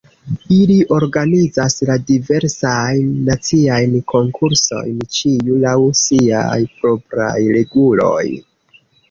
Ili organizas la diversajn naciajn konkursojn, ĉiu laŭ siaj propraj reguloj.